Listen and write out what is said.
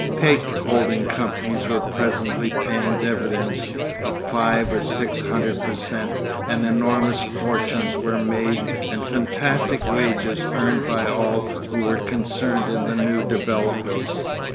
Patent holding companies were presently paying dividends of five or six hundred per cent. and enormous fortunes were made and fantastic wages earned by all who were concerned in the new developments.